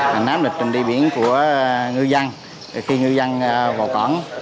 hành áp lịch trình đi biển của ngư dân khi ngư dân vào quảng